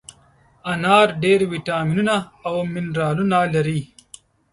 انار ډېر ویټامینونه او منرالونه لري.